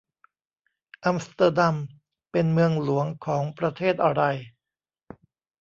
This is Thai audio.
อัมสเตอร์ดัมเป็นเมืองหลวงของประเทศอะไร